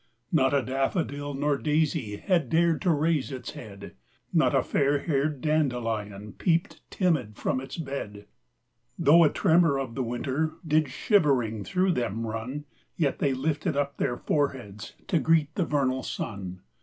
Not a daffodil nor daisy Had dared to raise its head; Not a fairhaired dandelion Peeped timid from its bed; THE CROCUSES. 5 Though a tremor of the winter Did shivering through them run; Yet they lifted up their foreheads To greet the vernal sun.